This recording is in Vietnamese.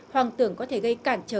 hoang tưởng có thể gây cản trở